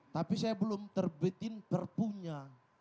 tapi saya belum terbitin perpunya